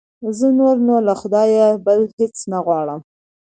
زه نور نو له خدایه بل هېڅ نه غواړم.